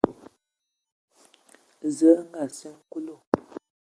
Zǝə a ngaasiŋ Kulu.